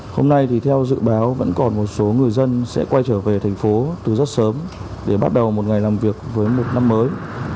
hôm nay thì theo dự báo vẫn còn một số người dân sẽ quay trở về thành phố từ rất sớm để bắt đầu một ngày làm việc với một năm mới